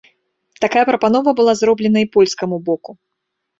Такая прапанова была зробленая і польскаму боку.